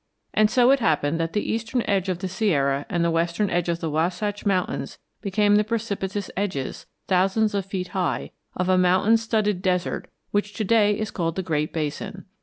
And so it happened that the eastern edge of the Sierra and the western edge of the Wasatch Mountains became the precipitous edges, thousands of feet high, of a mountain studded desert which to day is called the Great Basin.